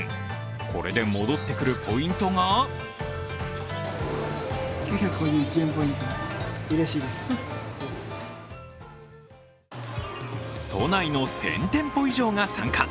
これで戻ってくるポイントが都内の１０００店舗以上が参加。